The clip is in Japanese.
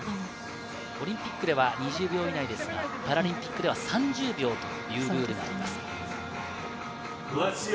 オリンピックでは２０秒以内ですが、パラリンピックでは３０秒というルールがあります。